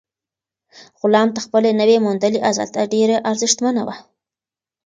غلام ته خپله نوي موندلې ازادي ډېره ارزښتمنه وه.